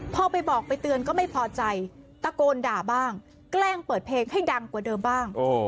พอไปบอกไปเตือนก็ไม่พอใจตะโกนด่าบ้างแกล้งเปิดเพลงให้ดังกว่าเดิมบ้าง